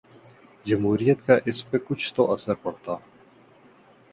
جمہوریت کا اس پہ کچھ تو اثر پڑتا۔